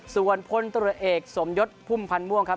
ส่วนพลตรวจเอกสมยศพุ่มพันธ์ม่วงครับ